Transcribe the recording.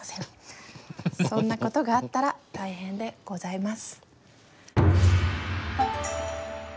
そんなことがあったら大変でございます」。